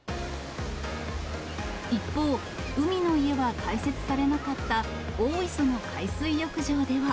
一方、海の家は開設されなかった大磯の海水浴場では。